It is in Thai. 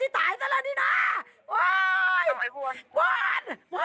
เป็นไงลูกโอ๊ยโอ๊ยโอ๊ย